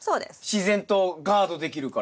自然とガードできるから。